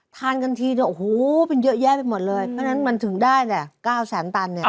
ทานกันทีเนี่ยโอ้โหเป็นเยอะแยะไปหมดเลยเพราะฉะนั้นมันถึงได้แต่๙แสนตันเนี่ย